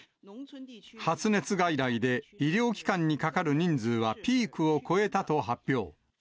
発熱外来で医療機関にかかる人数はピークを越えたと発表。